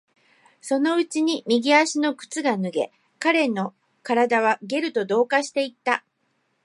そのうちに右足の靴が脱げ、彼の体はゲルと同化していった。外から彼のことを引っ張り出すことができなくなった。